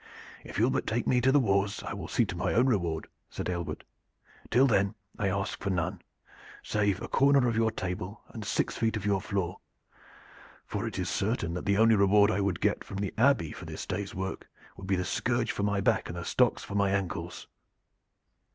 "If you will but take me to the wars I will see to my own reward," said Aylward. "Till then I ask for none, save a corner of your table and six feet of your floor, for it is certain that the only reward I would get from the Abbey for this day's work would be the scourge for my back and the stocks for my ankles.